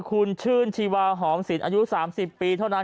คุณชื่นชีวาหอมสินอายุ๓๐ปีเท่านั้น